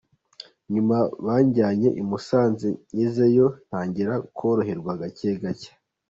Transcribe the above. Nyuma banjyanye i Musanze ngezeyo ntangira koroherwa gake gake”.